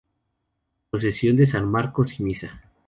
Procesión de San Marcos y misa.